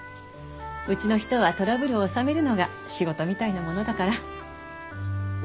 うちの人はトラブルを収めるのが仕事みたいなものだから。